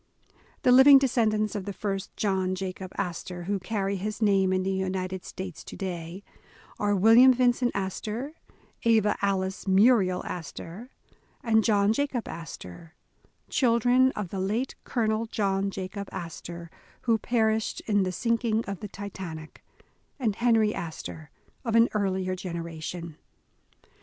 The living descendents of the first John Jacob Astor, who carry his name in the United States to day, are William Vincent Astor, Ava Alice Muriel Astor, and John Jacob Astor, children of the late Colonel John Jacob Astor, who perished in the sinking of the Titan ic, and Henry Astor of an earlier generation.